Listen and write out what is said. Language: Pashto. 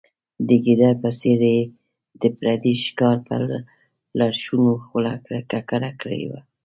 د ګیدړ په څېر یې د پردي ښکار په لړشونو خوله ککړه کړې وه.